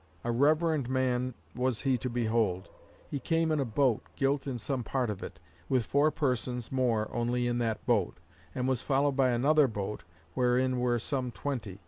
A reverend man was he to behold. He came in a boat, gilt in some part of it, with four persons more only in that boat; and was followed by another boat, wherein were some twenty.